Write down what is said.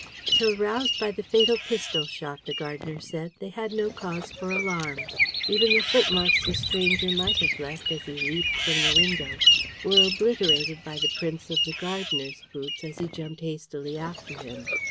Till roused by the fatal pistol shot, the gardener said, they had no cause for alarm. Even the footmarks the stranger might have left as he leaped from the window were obliterated by the prints of the gardener's boots as he jumped hastily after him.